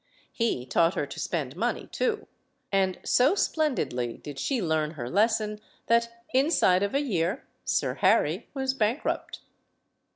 He taught her to spend money, too. And so splendidly did she learn her lesson that inside of a year Sir Harry was bankrupt.